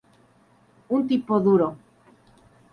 Un tipo duro.